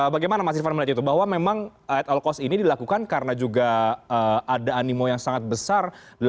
bagaimana mas irvan melihat itu bahwa memang at all cost ini dilakukan karena juga ada animo yang sangat besar